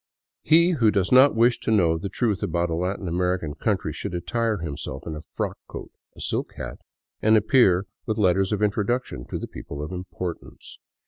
He who does not wish to know the truth about a Latin American country should attire himself in a frock coat, a silk hat, and appear with let ters of introduction to the " people of importance."